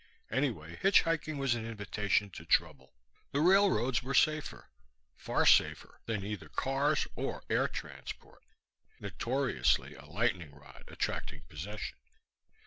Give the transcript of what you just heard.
Anyway, hitchhiking was an invitation to trouble. The railroads were safer far safer than either cars or air transport, notoriously a lightning rod attracting possession.